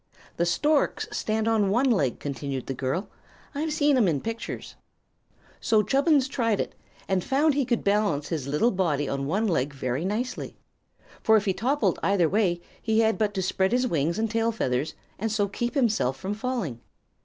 "The storks stand on one leg," continued the girl. "I've seen 'em in pictures." So Chubbins tried it, and found he could balance his little body on one leg very nicely. For if he toppled either way he had but to spread his wings and tail feathers and so keep himself from falling.